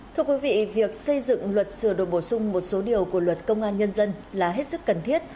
thưa quý vị việc xây dựng luật sửa đổi bổ sung một số điều của luật công an nhân dân là hết sức cần thiết